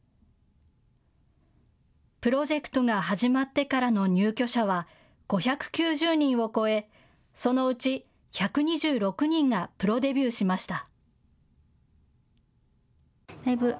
プロジェクトが始まってからの入居者は５９０人を超えそのうち１２６人がプロデビューしました。